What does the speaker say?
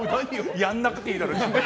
やんなくていいだろ。